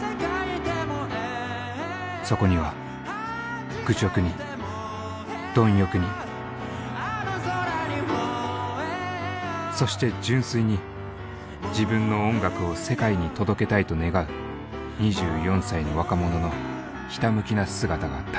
そこには愚直に貪欲にそして純粋に自分の音楽を世界に届けたいと願う２４歳の若者のひたむきな姿があった。